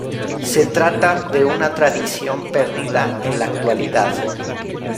Se trata de una tradición perdida en la actualidad.